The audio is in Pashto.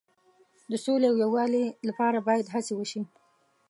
د سولې او یووالي لپاره باید هڅې وشي.